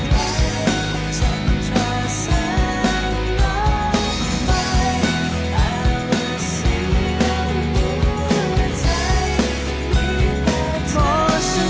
ใครฉันจะสร้างออกไปแต่ว่าสิ่งหลังหัวใจมีแต่เธอ